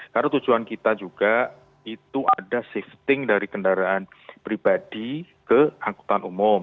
karena tujuan kita juga itu ada shifting dari kendaraan pribadi ke angkutan umum